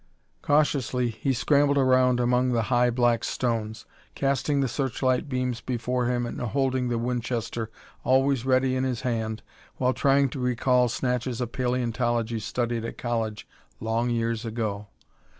Cautiously he scrambled around among the high black stones, casting the search light beams before him and holding the Winchester always ready in his hand while trying to recall snatches of palaeontology studied at college long years ago.